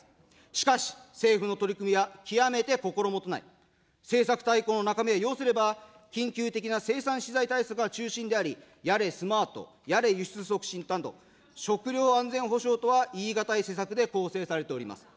しかし、政府の取り組みや、極めて心もとない、政策大綱は緊急な生産資材体制が中心であり、やれスマート、やれ輸出促進、食料安全保障とは言い難い施策で構成されております。